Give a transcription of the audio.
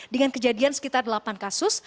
dengan kejadian sekitar delapan kasus